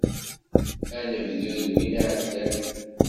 Anebdu d win iɛeddan.